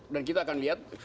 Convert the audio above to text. dan kita akan lihat